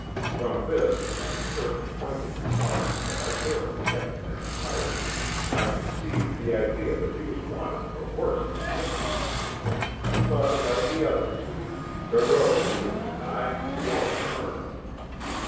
From this, and certain pointed remarks that I failed to catch in their entirety, I conceived the idea that he was wanted for worse than whisky running. But like the other two, Barreau neither denied nor affirmed.